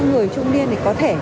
người trung niên thì có thể